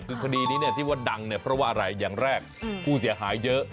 คือคดีนี้ที่ว่าดังเนี่ยเพราะว่าอะไรอย่างแรกผู้เสียหายเยอะ